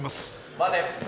待て。